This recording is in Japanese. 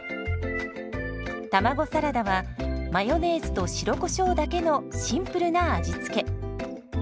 卵サラダはマヨネーズと白コショウだけのシンプルな味付け。